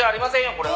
これは」